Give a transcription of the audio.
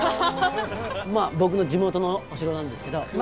まあ僕の地元のお城なんですけどま